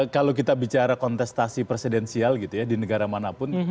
kalau kita bicara kontestasi presidensial gitu ya di negara manapun